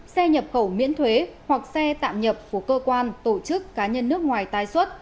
xe nhập khẩu miễn thuế hoặc xe tạm nhập của cơ quan tổ chức cá nhân nước ngoài tái xuất